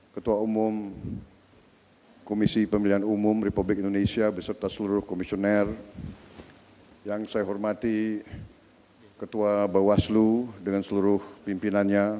ketua umum komisi pemilihan umum republik indonesia beserta seluruh komisioner yang saya hormati ketua bawaslu dengan seluruh pimpinannya